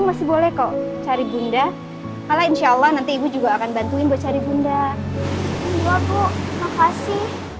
masih boleh kok cari bunda kalau insyaallah nanti juga akan bantuin buat cari bunda bukasi